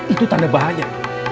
itu tanda bahaya